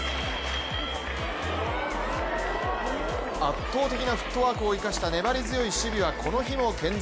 圧倒的なフットワークを生かした粘り強い守備はこの日も健在。